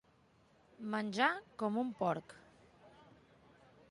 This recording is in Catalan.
Menjar com un porc.